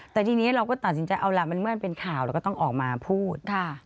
แต่ทีนี้เราก็ตัดสินใจเอาล่ะมันเมื่อมันเป็นข่าวเราก็ต้องออกมาพูด